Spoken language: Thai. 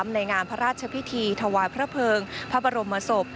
ในงานพระราชพิธีถวายพระเภิงพระบรมศพ